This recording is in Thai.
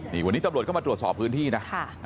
นี่วันนี้ตำรวจเข้ามาตรวจสอบพื้นที่นะ